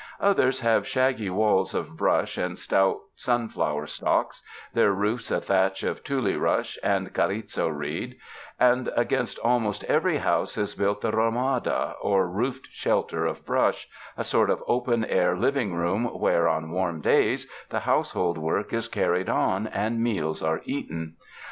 Others have shaggy walls of brush and stout sunflower stalks, their roofs a thatch of tule rush and carrizo reed; and against almost every house is built the ramada or roofed shelter of brush, a sort of open air living room where, on warm days, the household work is carried on and meals are eaten.